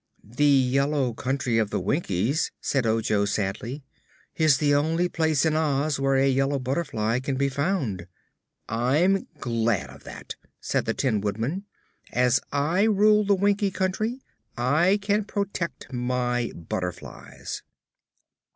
"The yellow country of the Winkies," said Ojo sadly, "is the only place in Oz where a yellow butterfly can be found." "I'm glad of that," said the Tin Woodman. "As I rule the Winkie Country, I can protect my butterflies."